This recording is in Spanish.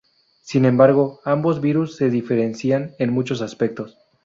Sin embargo, ambos virus se diferencian en muchos aspectos.